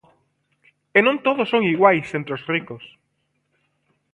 E non todos son iguais entre os ricos.